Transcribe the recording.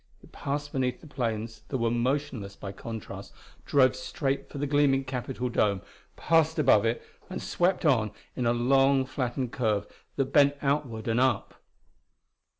It passed beneath the planes, that were motionless by contrast, drove straight for the gleaming Capitol dome, passed above it, and swept on in a long flattened curve that bent outward and up.